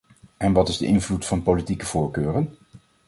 En wat is de invloed van politieke voorkeuren?